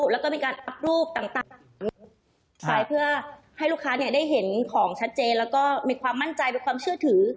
แล้วก็มีการอัพรูปต่างไปเพื่อให้ลูกค้าเนี่ยได้เห็นของชัดเจนแล้วก็มีความมั่นใจเป็นความเชื่อถือ